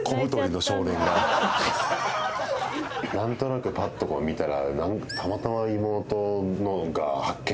何となくぱっと見たら。